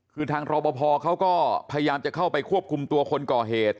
คือทางรอปภเขาก็พยายามจะเข้าไปควบคุมตัวคนก่อเหตุ